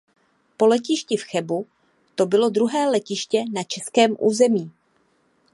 Po letišti v Chebu to bylo druhé letiště na českém území.